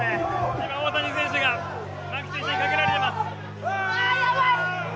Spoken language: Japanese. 今、大谷選手が、牧選手にかけられています。